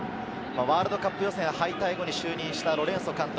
ワールドカップ予選敗退後に就任したロレンソ監督。